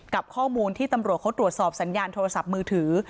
ข้อมูลที่ตำรวจเขาตรวจสอบสัญญาณโทรศัพท์มือถือ